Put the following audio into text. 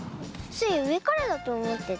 スイうえからだとおもってた。